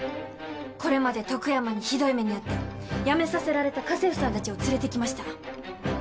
これまで徳山にひどい目に遭って辞めさせられた家政婦さんたちを連れてきました。